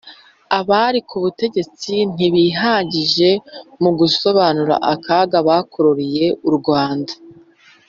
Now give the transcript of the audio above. bari ku butegetsi ntibihagije mu gusobanura akaga bakururiye u rwanda.